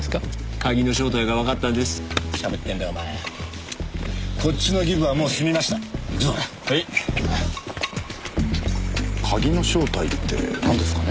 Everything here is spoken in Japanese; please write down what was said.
鍵の正体ってなんですかね？